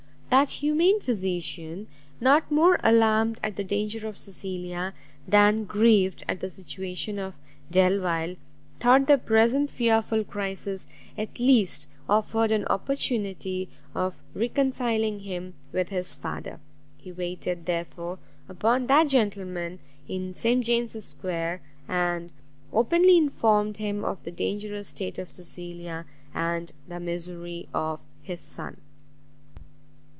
That humane physician, not more alarmed at the danger of Cecilia, than grieved at the situation of Delvile, thought the present fearful crisis at least offered an opportunity of reconciling him with his father. He waited, therefore, upon that gentleman in St James's square, and openly informed him of the dangerous state of Cecilia, and the misery of his son.